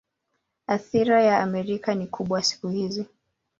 Athira ya Amerika ni kubwa siku hizi.